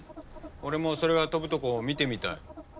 俺もそれが飛ぶとこ見てみたい。